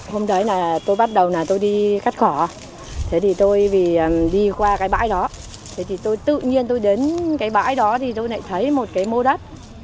hôm đấy là tôi bắt đầu là tôi đi cắt khỏ thế thì tôi vì đi qua cái bãi đó thế thì tôi tự nhiên tôi đến cái bãi đó thì tôi lại thấy một cái mô đất